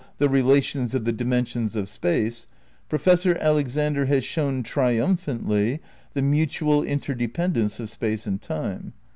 170 THE NEW IDEALISM v relations of the dimensions of Space, Professor Alex ander has shown triumphantly the mutual interdepend ence of Space and Time.